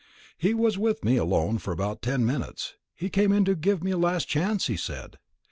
"He was with me alone for about ten minutes; he came to give me a last chance, he said.